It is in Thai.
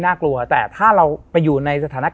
เยอะไป